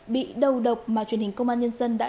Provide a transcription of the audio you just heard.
bị đầu độc mà truyền hình công an nhân dân đảm bảo